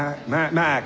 マーク？